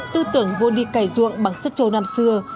tư tưởng vô đi cây cải ruộng bằng sức châu năm xưa